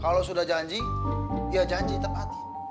kalau sudah janji ya janji tepatin